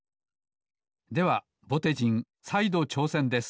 ではぼてじんさいどちょうせんです